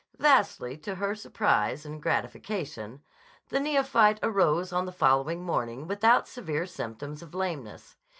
Vastly to her surprise and gratification, the neophyte arose on the following morning without severe symptoms of lameness.